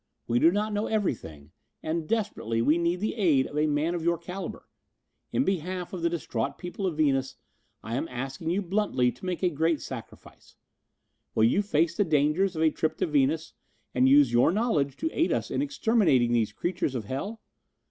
We do not know everything and, desperately, we need the aid of a man of your caliber. In behalf of the distraught people of Venus, I am asking you bluntly to make a great sacrifice. Will you face the dangers of a trip to Venus and use your knowledge to aid us in exterminating these creatures of hell?"